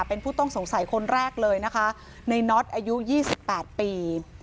เป็นผู้ต้องสงสัยคนแรกเลยนะคะในน็อตอายุ๒๘ปี